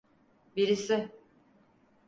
Birisi.